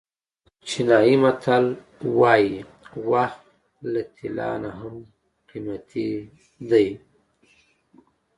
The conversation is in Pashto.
چینایي متل وایي وخت له طلا نه هم قیمتي دی.